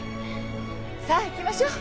さあ行きましょう！